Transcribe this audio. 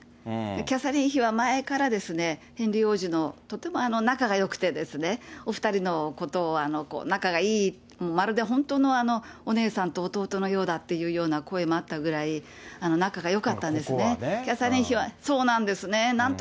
キャサリン妃は前から、ヘンリー王子のとても仲がよくてですね、お２人のことを仲がいい、まるで本当のお姉さんと弟のようだって声もあったぐらい、仲がよ